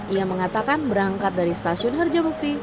ia mengatakan berangkat dari stasiun harjamukti